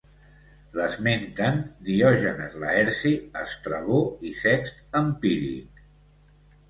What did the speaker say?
L'esmenten Diògenes Laerci, Estrabó i Sext Empíric.